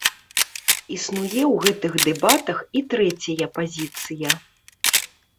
Існуе ў гэтых дэбатах і трэцяя пазіцыя.